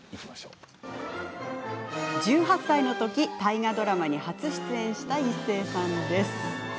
１８歳のとき大河ドラマに初出演した、一生さん。